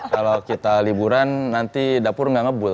kalau kita liburan nanti dapur nggak ngebul